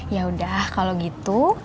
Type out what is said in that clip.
yaudah kalau gitu